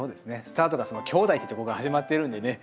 スタートがきょうだいっていうとこから始まってるんでね